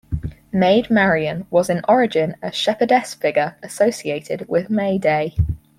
Maid Marian was in origin a "shepherdess" figure associated with May Day.